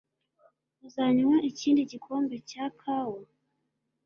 Uzanywa ikindi gikombe cya kawa?